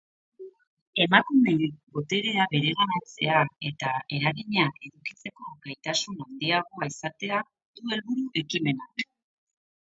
Emakumeek boterea bereganatzea eta eragina edukitzeko gaitasun handiagoa izatea du helburu ekimenak.